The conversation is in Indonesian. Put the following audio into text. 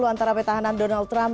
antara petahanan donald trump